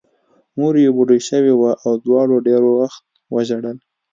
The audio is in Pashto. مور یې بوډۍ شوې وه او دواړو ډېر وخت وژړل